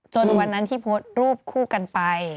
วันนั้นที่โพสต์รูปคู่กันไป